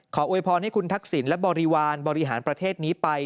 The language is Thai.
โวยพรให้คุณทักษิณและบริวารบริหารประเทศนี้ไป